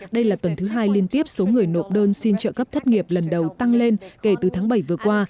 đây là tuần thứ hai liên tiếp số người nộp đơn xin trợ cấp thất nghiệp lần đầu tăng lên kể từ tháng bảy vừa qua